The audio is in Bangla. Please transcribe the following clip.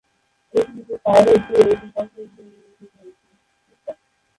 এটি দ্য পাইরেট বে এর বিকল্প হিসেবে বিবেচিত হয়েছে।